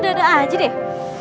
ada aja deh